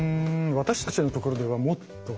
私たちのところではもっと。